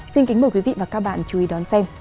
xin kính mời quý vị và các bạn chú ý đón xem